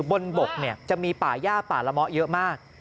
บนบกเนี่ยจะมีป่าย่าป่าระมะเยอะมาก